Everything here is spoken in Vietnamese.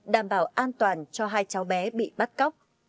đảm bảo an toàn cho hai cháu bé bị bắt cóc